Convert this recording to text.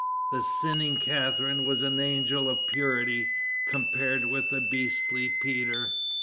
The sinning Catharine was an angel of purity compared with the beastly Peter.